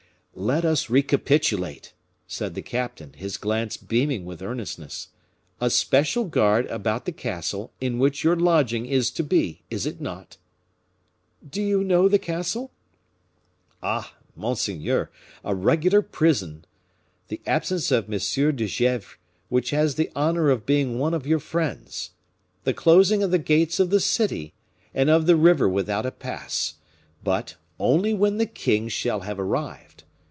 "Let us recapitulate," said the captain, his glance beaming with earnestness. "A special guard about the castle, in which your lodging is to be, is it not?" "Do you know the castle?" "Ah! monseigneur, a regular prison! The absence of M. de Gesvres, who has the honor of being one of your friends. The closing of the gates of the city, and of the river without a pass; but, only when the king shall have arrived.